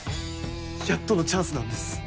やっとのチャンスなんです